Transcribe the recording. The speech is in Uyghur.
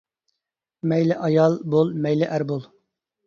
مەيلى ئايال بول مەيلى ئەر بول.